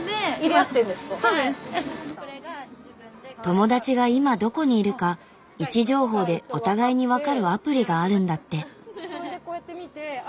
友達が今どこにいるか位置情報でお互いに分かるアプリがあるんだって。